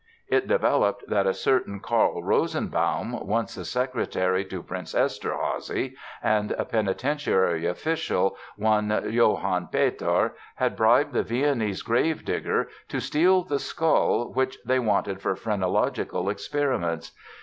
It developed that a certain Carl Rosenbaum, once a secretary to Prince Eszterházy, and a penitentiary official, one Johann Peter, had bribed the Viennese gravedigger, to steal the skull which they wanted for phrenological experiments.